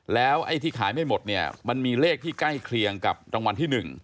แล้วไอ้ที่ขายไม่หมดเนี่ยมันมีเลขที่ใกล้เคียงกับรางวัลที่๑